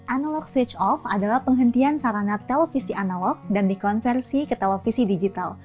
analog switch off adalah penghentian sarana televisi analog dan dikonversi ke televisi digital